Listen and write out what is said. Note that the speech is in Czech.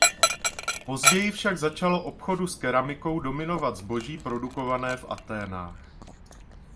Později však začalo obchodu s keramikou dominovat zboží produkované v Athénách.